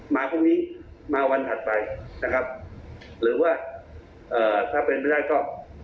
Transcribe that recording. มาพรุ่งนี้มาวันถัดไปนะครับหรือว่าเอ่อถ้าเป็นไปได้ก็